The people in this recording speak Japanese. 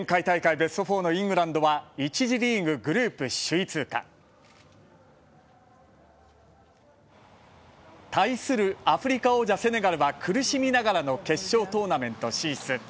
ベスト４のイングランドは１次リーグ、グループ首位通過。対するアフリカ王者セネガルは苦しみながらの決勝トーナメント進出。